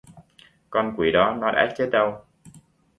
Con quỷ đó nó đã chết đâu